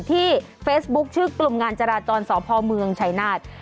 ที่เฟซบุ๊คชื่อกลุ่มงานจราจรสพเมืองชัยนาธิ์